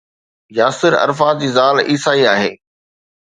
Yasir Arafat جي زال عيسائي آهي.